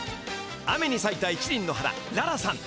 雨にさいた一りんの花ララさん。